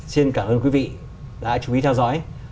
xin cảm ơn quý vị đã chuẩn bị theo dõi